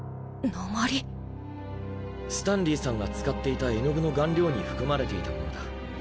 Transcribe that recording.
スタンリーさんが使っていた絵の具の顔料に含まれていたものだ。